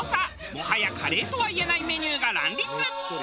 もはやカレーとはいえないメニューが乱立！